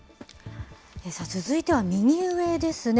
続いては右上ですね。